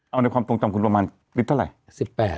เอาในความทรงจำคุณประมาณลิตรเท่าไหร่